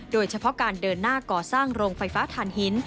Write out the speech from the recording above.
โดยเฉพาะการเดินหน้าก่อสร้างโรงไฟฟ้าฐานหิน